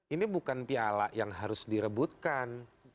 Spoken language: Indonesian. ini bukan piala yang harus direbutkan